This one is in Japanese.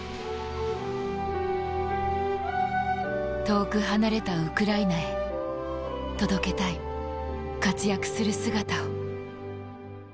遠く離れたウクライナへ届けたい、活躍する姿を。